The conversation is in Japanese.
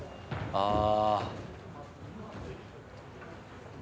ああ。